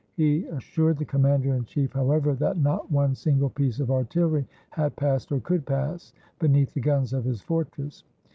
He assured the commander in chief, however, that not one single piece of artillery had passed, or could pass, beneath the guns of his fortress.